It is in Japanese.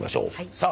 さあ。